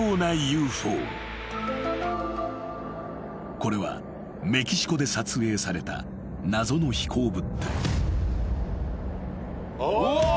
［これはメキシコで撮影された謎の飛行物体］